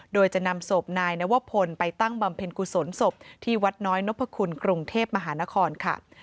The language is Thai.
โดยจะนำศพนายนวพลไปตั้งบำเพ็ญกุศลศพที่วัดน้อยนพคุณกรุงเทพมหานครค่ะ